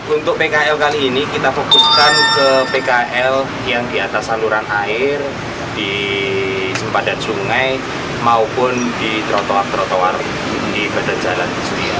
untuk pkl kali ini kita fokuskan ke pkl yang di atas saluran air di sempadan sungai maupun di trotoar trotoar di badan jalan